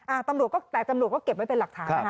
ตำรวจก็แต่ตำรวจก็เก็บไว้เป็นหลักฐานนะคะ